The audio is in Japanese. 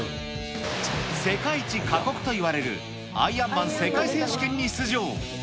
世界一過酷といわれるアイアンマン世界選手権に出場。